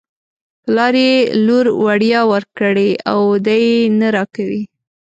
پلار یې لور وړيا ورکړې او دی یې نه راکوي.